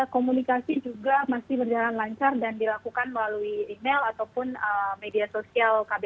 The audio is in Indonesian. komunikasi juga masih berjalan lancar dan dilakukan melalui email ataupun media sosial kbri